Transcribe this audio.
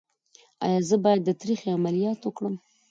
ایا زه باید د تریخي عملیات وکړم؟